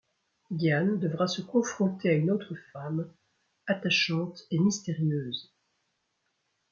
Diane devra se confronter à une autre femme, attachante et mystérieuse...